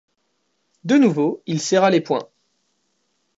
De nouveau, il serra les poings.